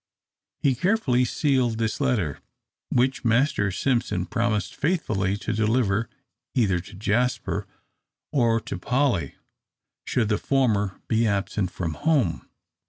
He carefully sealed this letter, which Master Simpson promised faithfully to deliver either to Jasper, or to Polly, should the former be absent from home.